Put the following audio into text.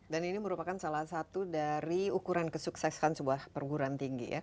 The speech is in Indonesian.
dan ini merupakan salah satu dari ukuran kesuksesan sebuah perguruan tinggi ya